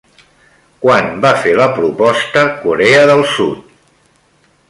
Quan va fer la proposta Corea del Sud?